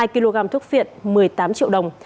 hai kg thuốc viện một mươi tám triệu đồng